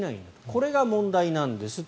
これが問題なんですと。